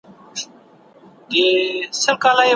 تاسو به له خپل ژوند څخه د خوشحالۍ رنګ اخلئ.